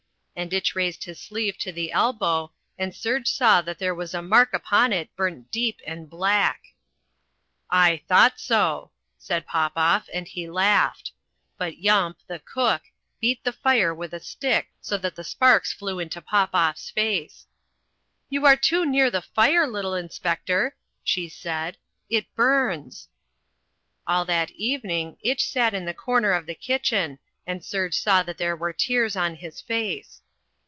And Itch raised his sleeve to the elbow and Serge saw that there was a mark upon it burnt deep and black. "I thought so," said Popoff, and he laughed. But Yump, the cook, beat the fire with a stick so that the sparks flew into Popoff's face. "You are too near the fire, little inspector," she said. "It burns." All that evening Itch sat in the corner of the kitchen, and Serge saw that there were tears on his face.